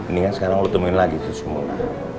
ini kan sekarang lo temuin lagi tuh si muna